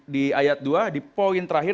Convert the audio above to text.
di ayat dua di poin terakhir